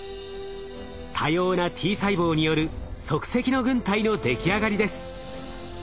多様なＴ細胞による即席の軍隊の出来上がりです。